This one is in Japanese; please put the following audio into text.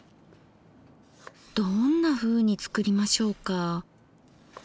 どんなふうに作りましょうか。